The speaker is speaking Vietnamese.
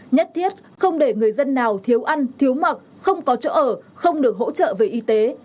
nhất thiết không để người dân nào thiếu ăn thiếu mặc không có chỗ ở không được hỗ trợ về y tế